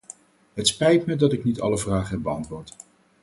Het spijt me dat ik niet alle vragen heb beantwoord.